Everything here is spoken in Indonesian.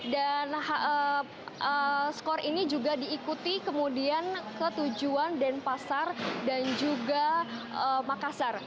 dan skor ini juga diikuti kemudian ketujuan denpasar dan juga makassar